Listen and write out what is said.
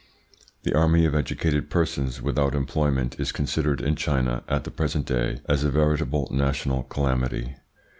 The army of educated persons without employment is considered in China at the present day as a veritable national calamity.